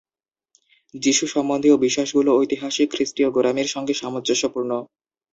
যিশু সম্বন্ধীয় বিশ্বাসগুলো ঐতিহাসিক খ্রিস্টীয় গোঁড়ামির সঙ্গে সামঞ্জস্যপূর্ণ।